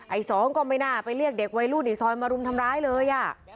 ไอ้สองก็ไม่น่าไปเรียกเด็กวัยรุ่นในซอยมารุมทำร้ายเลยอ่ะ